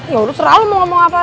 ya udah serah lu mau ngomong apa